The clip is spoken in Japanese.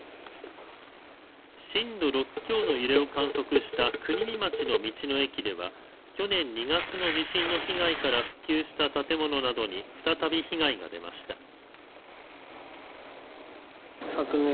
震度６強の揺れを観測した国見町の道の駅では去年２月の地震の被害から復旧した建物などに再び被害が出ました。